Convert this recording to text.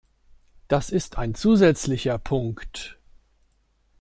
Das ist ein zusätzlicher Punkt.